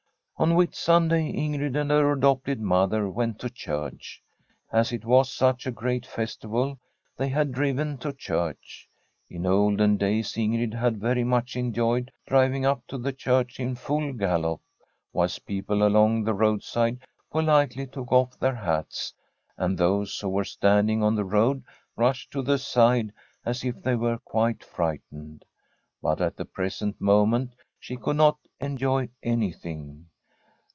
On Whit Sunday Ingrid and her adopted mother went to church. As it was such a great festival, they had driven to church. In olden days Ingrid had very much enjoyed driving up to the church in full gallop, whilst people along the roadside politely took oflf their hats, and [iio] The STORY of a COUNTRY HOUSE those who were standing on the road rushed to the side as if they were quite frightened. But at the present moment she could not enjoy any thing.